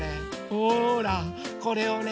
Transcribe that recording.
ほらこれをね